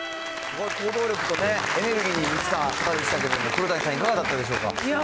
この行動力とね、エネルギーに満ちた方でしたけども、黒谷さん、いかがだったでしょうか。